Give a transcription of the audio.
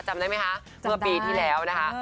จำได้ไหมคะเมื่อปีที่แล้วนะคะ